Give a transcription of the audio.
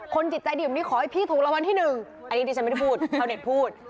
อันนี้ดิฉันไม่ได้พูดเค้าเน็ตพูด